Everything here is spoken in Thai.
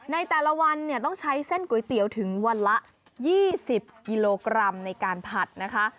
ในแต่ละวันเนี่ยต้องใช้เส้นก๋วยเตี๋ยวถึงวันละ๒๐กิโลกรัมในการผัดนะคะ